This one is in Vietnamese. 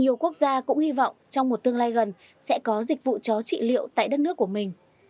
nhiều quốc gia cũng hy vọng trong một tương lai gần sẽ có dịch vụ chó trị liệu tại đất nước của mình